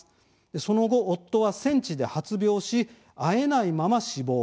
その後、夫は戦地で発病し会えないまま死亡。